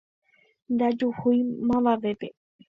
Ndajuhúi mavavépe